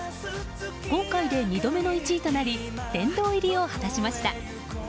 今回で２度目の１位となり殿堂入りを果たしました。